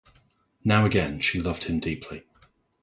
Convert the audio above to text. Now again she loved him deeply.